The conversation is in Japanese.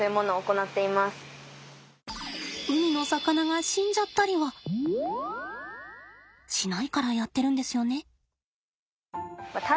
海の魚が死んじゃったりはしないからやってるんですよね。